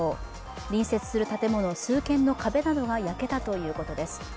隣接する建物数軒の壁などが焼けたということです。